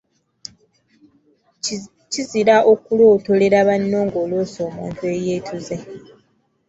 Kizira okulootololera banno ng’oloose omuntu eyeetuze.